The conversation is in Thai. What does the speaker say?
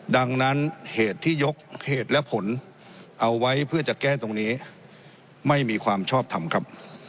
ดังนั้นเหตุที่ยกเหตุและผลเอาไว้เพื่อจะแก้ตรงนี้ไม่มีความชอบทำครับ